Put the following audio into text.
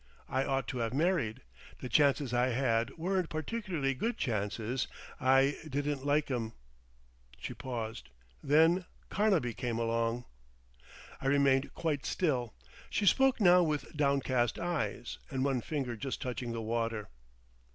I ought to have married. The chances I had weren't particularly good chances. I didn't like 'em." She paused. "Then Carnaby came along." I remained quite still. She spoke now with downcast eyes, and one finger just touching the water.